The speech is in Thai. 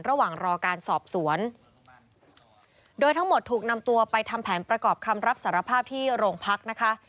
ระหว่างรอการสอบสวนโดยทั้งหมดถูกนำตัวไปทำแผนประกอบคำรับสารภาพที่โรงพักนะคะ